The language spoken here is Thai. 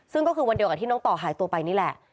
ซึ่งก็คือวันเดียวกับที่น้องต่อหายตัวไปนี่แหละ